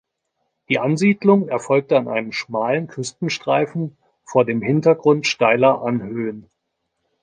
Die Ansiedlung erfolgte an einem schmalen Küstenstreifen vor dem Hintergrund steiler Anhöhen.